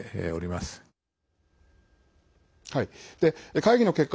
会議の結果